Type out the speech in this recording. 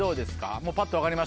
もうぱっと分かりました？